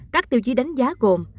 các tiêu chí đánh giá gồm